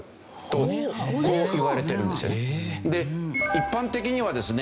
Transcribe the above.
一般的にはですね